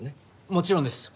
もちろんです。